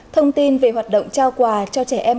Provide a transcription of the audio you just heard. thông tin về hoạt động trao quà cho trẻ em